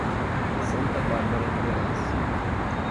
Santa Bárbara de Goiás